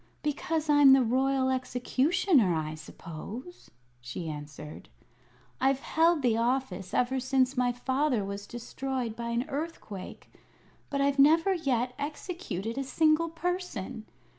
"Because I'm the Royal Executioner, I suppose," she answered. "I've held the office ever since my father was destroyed by an earthquake; but I've never yet executed a single person.